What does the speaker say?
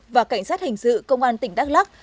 và cảnh sát hình sự công an tỉnh đắk lắc